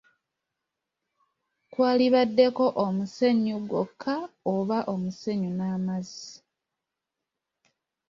Kwalibaddeko omusenyu gwokka oba omusenyu n’amazzi.